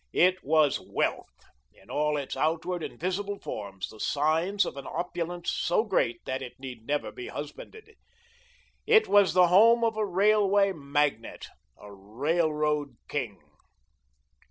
It was Wealth, in all its outward and visible forms, the signs of an opulence so great that it need never be husbanded. It was the home of a railway "Magnate," a Railroad King.